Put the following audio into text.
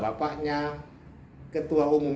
bapaknya ketua umum